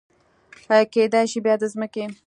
کیدای شي بیا د مځکې